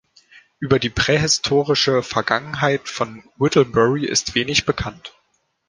Über die prähistorische Vergangenheit von Whittlebury ist wenig bekannt.